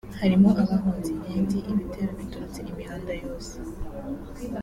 harimo abahunze Inyenzi ibitero biturutse imihanda yose